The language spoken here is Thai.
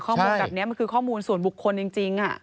ข้อมูลแบบนี้มันคือข้อมูลส่วนบุคคลจริง